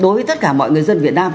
đối với tất cả mọi người dân việt nam